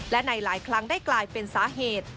และในหลายครั้งได้กลายเป็นสาเหตุ